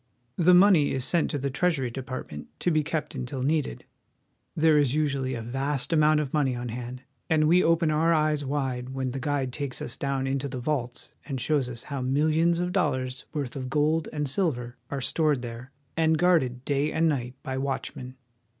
The money is sent to the Treasury Department to be kept until needed. There is usually a vast amount of money on hand, and we open our eyes wide when the guide takes us down into the vaults and shows us how millions of dollars' worth of gold and silver are stored there, and guarded day and night by watchmen.